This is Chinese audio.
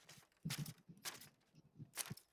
设立邮递投票则可便利因公外出的人士投票。